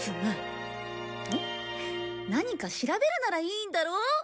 何か調べるならいいんだろ？